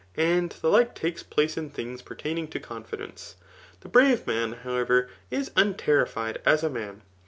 And the like takes place in things pertaining to confidence. The brave, man, however, is unterrified, as a man.